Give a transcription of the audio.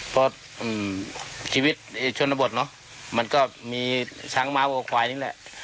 เพราะชีวิตชนบทมันก็มีช้างมากกว่าควายนี่แหละ